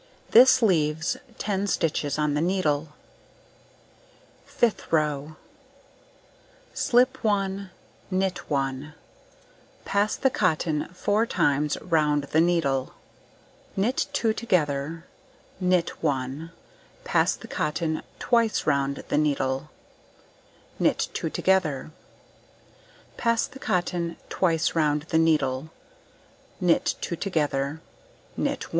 This leaves 10 stitches on the needle. Fifth row: Slip 1, knit 1, pass the cotton 4 times round the needle, knit 2 together, knit 1, pass the cotton twice round the needle, knit 2 together, pass the cotton twice round the needle, knit 2 together, knit 1.